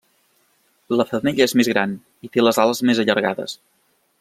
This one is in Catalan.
La femella és més gran i té les ales més allargades.